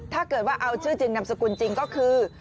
ถ้าเกิดว่าเอาชื่อจริงนามสกุลจริงก็คือ